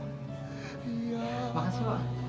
terima kasih tuhan